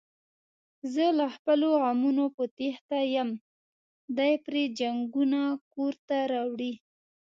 زه له خپلو غمونو په تېښته یم، دی پري جنگونه کورته راوړي.